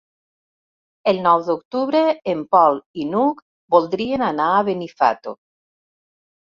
El nou d'octubre en Pol i n'Hug voldrien anar a Benifato.